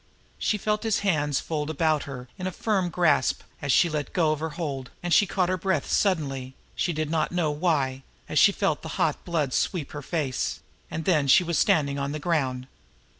She felt his hands fold about her in a firm grasp as she let go her hold, and she caught her breath suddenly, she did not know why, and felt the hot blood sweep her face and then she was standing on the ground.